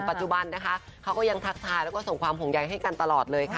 ปัจจุบันนะคะเขาก็ยังทักทายแล้วก็ส่งความห่วงใยให้กันตลอดเลยค่ะ